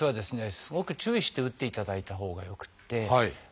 すごく注意して打っていただいたほうがよくて。